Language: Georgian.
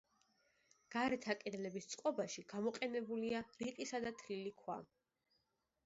გარეთა კედლების წყობაში გამოყენებულია რიყისა და თლილი ქვა.